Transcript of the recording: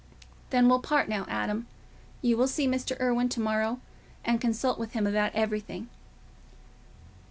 "Then we'll part now, Adam. You will see Mr. Irwine to morrow, and consult with him about everything."